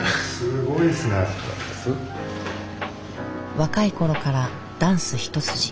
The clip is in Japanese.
若い頃からダンス一筋。